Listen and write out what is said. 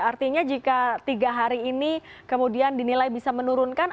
artinya jika tiga hari ini kemudian dinilai bisa menurunkan